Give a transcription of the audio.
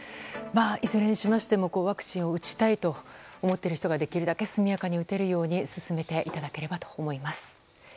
いずれにしても、ワクチンを打ちたいと思っている人ができるだけ速やかに打てるように進めていかなければと思います。